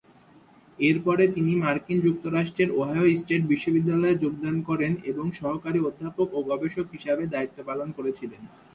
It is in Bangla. এরপরে তিনি মার্কিন যুক্তরাষ্ট্রের ওহাইও স্টেট বিশ্ববিদ্যালয়ে যোগদান করেন এবং সহকারী অধ্যাপক ও গবেষক হিসাবে দায়িত্ব পালন করেছিলেন।